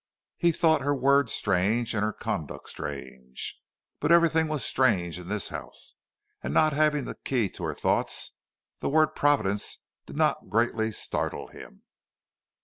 He thought her words strange and her conduct strange, but everything was strange in this house, and not having the key to her thoughts, the word Providence did not greatly startle him.